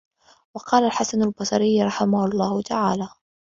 وَقَالَ الْحَسَنُ الْبَصْرِيُّ رَحِمَهُ اللَّهُ تَعَالَى